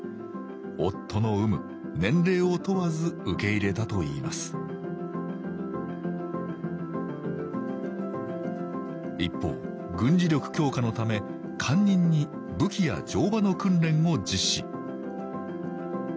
夫の有無年齢を問わず受け入れたといいます一方軍事力強化のため官人に武器や乗馬の訓練を実施